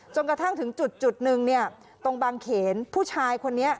กระทั่งถึงจุดนึงเนี่ยตรงบางเขนผู้ชายคนนี้